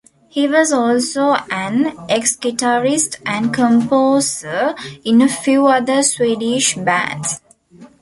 He was also an ex-guitarist and composer in a few other Swedish bands.